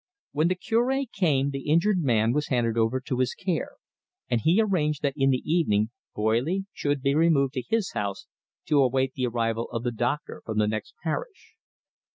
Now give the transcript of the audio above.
When the Cure came, the injured man was handed over to his care, and he arranged that in the evening Boily should be removed to his house, to await the arrival of the doctor from the next parish.